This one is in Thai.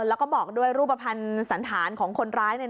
แล้วก็บอกด้วยรูปภัณฑ์สันธารของคนร้าย